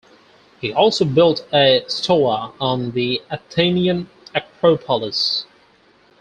He also built a stoa on the Athenian acropolis.